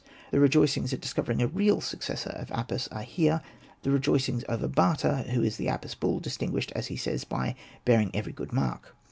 The rejoicings at discovering a real successor of Apis are here, the rejoicings over Bata, who is the Apis bull, distinguished as he says by '' bearing every good mark."